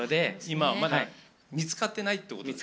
今はまだ見つかってないってことですか？